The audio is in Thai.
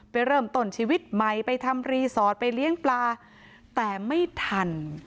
ไปเริ่มต้นชีวิตใหม่ไปทำรีสอร์ทไปเลี้ยงปลาแต่ไม่ทัน